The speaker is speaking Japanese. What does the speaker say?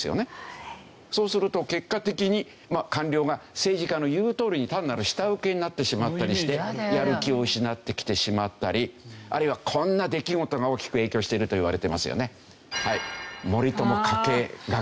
そうすると結果的に官僚が政治家の言うとおりに単なる下請けになってしまったりしてやる気を失ってきてしまったりあるいはこんな出来事が大きく影響しているといわれてますよね。